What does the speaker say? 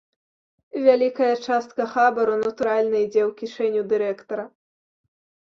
Вялікая частка хабару, натуральна, ідзе ў кішэню дырэктара.